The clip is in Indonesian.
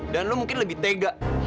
dan lu mungkin lebih tega